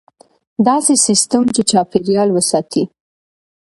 داسې سیستم چې چاپیریال وساتي.